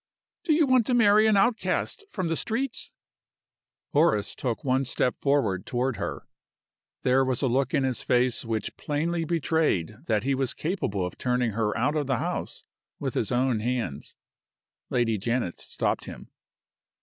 "Do you want to marry an outcast from the streets?" Horace took one step forward toward her. There was a look in his face which plainly betrayed that he was capable of turning her out of the house with his own hands. Lady Janet stopped him.